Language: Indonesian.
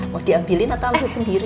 mau diambilin atau sendiri